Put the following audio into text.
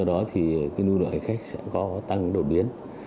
do đó lượng hành khách sẽ có tăng đột biến